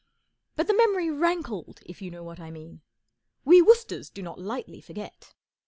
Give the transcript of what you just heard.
But the memory rankled, jf you know what I mean. We Woosters do not lightly forget.